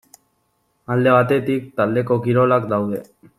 Alde batetik taldeko kirolak daude.